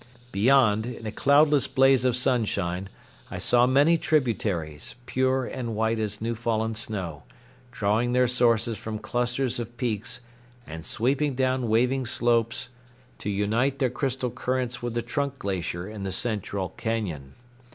Beyond, in a cloudless blaze of sunshine, I saw many tributaries, pure and white as new fallen snow, drawing their sources from clusters of peaks and sweeping down waving slopes to unite their crystal currents with the trunk glacier in the central cañon.